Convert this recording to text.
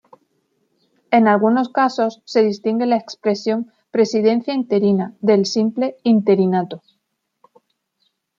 En algunos casos se distingue la expresión "presidencia interina" del simple "interinato".